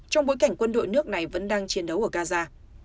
trong bối cảnh quân đội nước này vẫn đang chiến đấu ở gaza